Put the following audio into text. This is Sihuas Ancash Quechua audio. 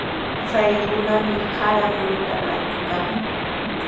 Chay runami sara muruta rantikamanqa.